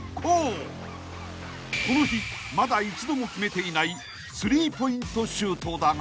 ［この日まだ一度も決めていない３ポイントシュートだが］